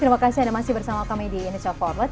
terima kasih anda masih bersama kami di indonesia forward